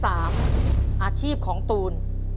อาชีพของตูน